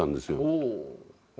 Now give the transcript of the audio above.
ほう。